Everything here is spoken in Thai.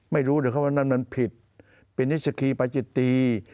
ไม่รู้นะครับว่านั่นมันผิดเป็นนิสคีปาจิตี